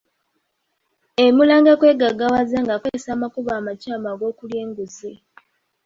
Emulanga kwegaggawaza ng'akozesa amakubo amakyamu ag'okulya enguzzi.